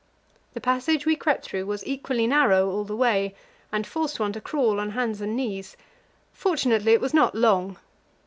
The passage we crept through was equally narrow all the way, and forced one to crawl on hands and knees; fortunately, it was not long.